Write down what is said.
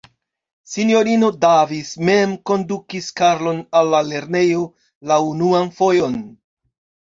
Sinjorino Davis mem kondukis Karlon al la lernejo la unuan fojon.